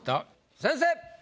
先生！